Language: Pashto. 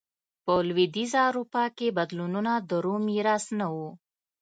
په لوېدیځه اروپا کې بدلونونه د روم میراث نه و.